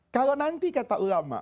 kalau nanti kata ulama